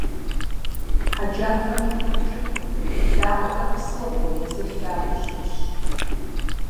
Хъэджафэм и пэр кӀыхьу, и лъакъуэхэр псыгъуэу, езыр лъагэу щытщ.